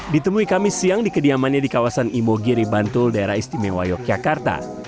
ditemui kami siang di kediamannya di kawasan imogiri bantul daerah istimewa yogyakarta